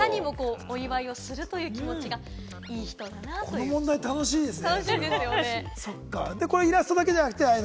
こういう問題、楽しいですね。